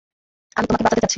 আমি তোমাকে বাঁচাতে চাচ্ছি।